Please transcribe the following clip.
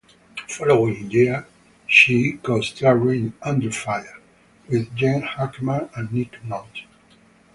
The following year, she co-starred in "Under Fire" with Gene Hackman and Nick Nolte.